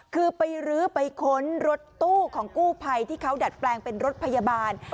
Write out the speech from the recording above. คือไปรื้อไปค้นรถตู้ของกู้ภัยที่เขาดัดแปลงเป็นรถพยาบาล